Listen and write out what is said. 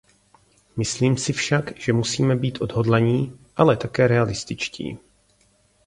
Myslím si však, že musíme být odhodlaní, ale také realističtí.